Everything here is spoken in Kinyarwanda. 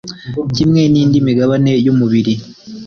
kimwe n’indi migabane y’umubiri